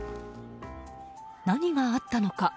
何があったのか？